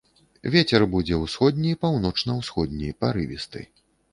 Вецер будзе ўсходні, паўночна-ўсходні, парывісты.